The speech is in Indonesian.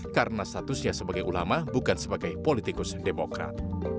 karena statusnya sebagai ulama bukan sebagai politikus demokrat